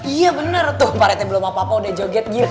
iya bener tuh pak rt belum apa apa udah joget gila ya pak